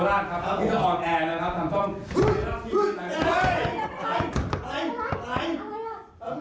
ที่จะออนแอร์การทำซ่อม